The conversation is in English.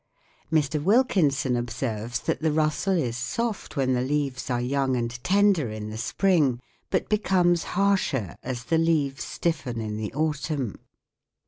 Mr. Wilkinson observes that the rustle is soft when the leaves are young and tender in the spring, but becomes harsher as the leaves stiffen in the autumn.